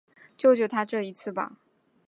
救救他这一次吧